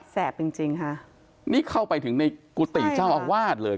จริงจริงค่ะนี่เข้าไปถึงในกุฏิเจ้าอาวาสเลย